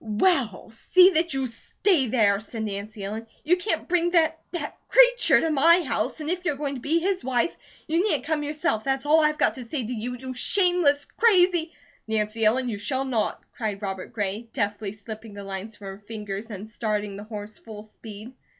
"Well, see that YOU STAY THERE," said Nancy Ellen. "You can't bring that that creature to my house, and if you're going to be his wife, you needn't come yourself. That's all I've got to say to you, you shameless, crazy " "Nancy Ellen, you shall not!" cried Robert Gray, deftly slipping the lines from her fingers, and starting the horse full speed.